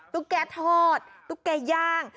ตุ๊กแกทอดตุ๊กแก่ย่าง